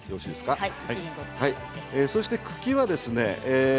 そして茎はですね。